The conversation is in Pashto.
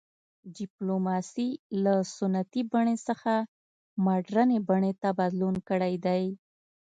ډیپلوماسي له سنتي بڼې څخه مډرنې بڼې ته بدلون کړی دی